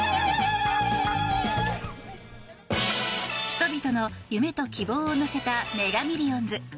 人々の夢と希望を乗せたメガミリオンズ。